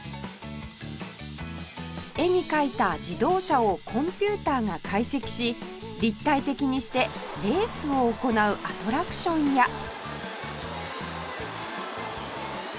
絵に描いた自動車をコンピューターが解析し立体的にしてレースを行うアトラクションや